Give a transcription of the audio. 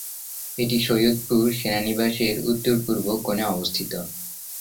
এটি সৈয়দপুর সেনানিবাস এর উত্তর-পূর্ব কোণে অবস্থিত।